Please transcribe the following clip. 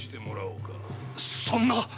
そんな！